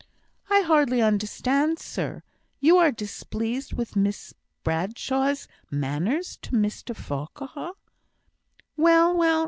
"I hardly understand, sir. You are displeased with Miss Bradshaw's manners to Mr Farquhar." "Well, well!